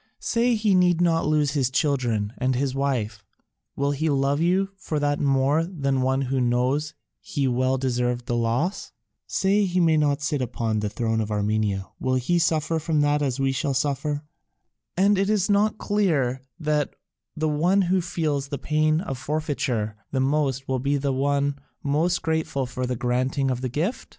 Say he need not lose his children and his wife, will he love you for that more than one who knows he well deserved the loss? Say he may not sit upon the throne of Armenia, will he suffer from that as we shall suffer? And is it not clear that the one who feels the pain of forfeiture the most will be the one most grateful for the granting of the gift?